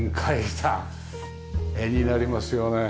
絵になりますよね。